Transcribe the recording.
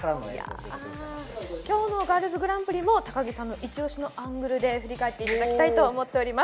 今日のガールズグランプリも高木さんのイチオシのアングルで振り返っていただきたいと思っております。